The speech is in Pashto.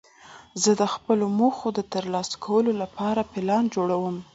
زه د خپلو موخو د ترلاسه کولو له پاره پلان جوړوم.